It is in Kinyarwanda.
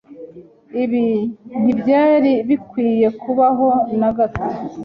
Ibi ntibyari bikwiye kubaho na gato.